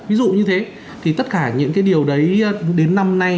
ví dụ như thế thì tất cả những cái điều đấy đến năm nay